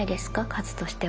数としては。